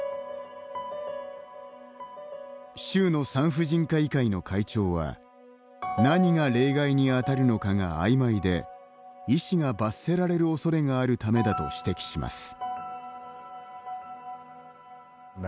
州の産婦人科医会の会長は何が例外に当たるのかがあいまいで医師が罰せられるおそれがあるためだと指摘します。